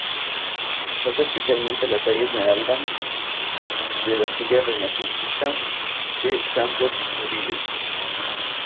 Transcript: Resalta especialmente la talla esmerada de la silla renacentista de Santo Toribio.